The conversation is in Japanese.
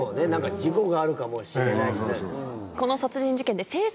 事故があるかもしれないし。